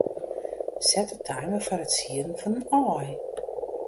Set de timer foar it sieden fan in aai.